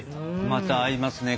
また合いますね